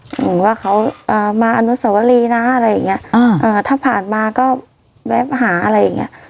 หนูว่าเขาเอ่อมาอนุสวรีนะอะไรอย่างเงี้ยอืมเอ่อถ้าผ่านมาก็แบบหาอะไรอย่างเงี้ย